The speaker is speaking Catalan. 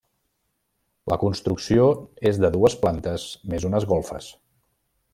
La construcció és de dues plantes més unes golfes.